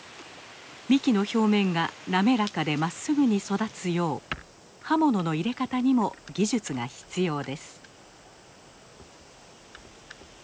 幹の表面が滑らかでまっすぐに育つよう刃物の入れ方にも技術が必要です。